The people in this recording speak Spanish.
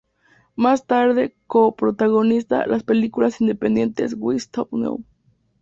Más tarde co-protagoniza las películas independientes "Why Stop Now?